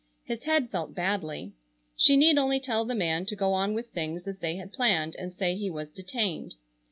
His head felt badly. She need only tell the man to go on with things as they had planned and say he was detained.